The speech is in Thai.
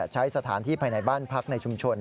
ใช้สถานที่ภายในบ้านพักในชุมชน